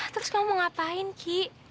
terus kamu ngapain ki